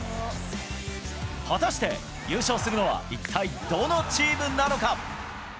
果たして優勝するのは一体どのチームなのか。